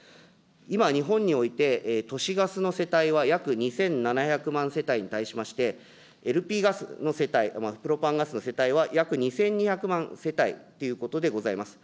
今、日本において、都市ガスの世帯は約２７００万世帯に対しまして、ＬＰガスの世帯、プロパンガスの世帯は約２２００万世帯ということでございます。